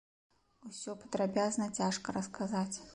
Усё падрабязна цяжка расказаць.